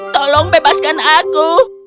tolong bebaskan aku